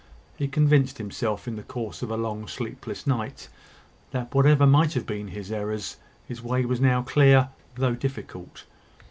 He convinced himself, in the course of a long sleepless night, that whatever might have been his errors, his way was now clear, though difficult.